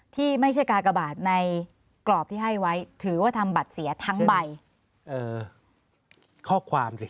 ที่ไม่ใช่กากบาทในกรอบที่ให้ไว้ถือว่าทำบัตรเสียทั้งใบเอ่อข้อความสิ